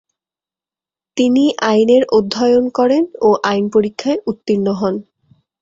তিনি আইনের অধ্যয়ন করেন ও আইন পরীক্ষায় উর্ত্তীণ হন।